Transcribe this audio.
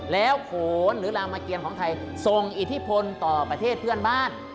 แล้วโขนหรือรามเกียรของไทยทรงอิทธิพลต่อประเทศเพื่อนบ้าน